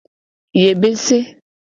Yebese.